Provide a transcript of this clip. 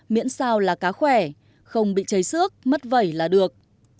miễn sao là cá khỏe không bị cháy xước mất vẩy là được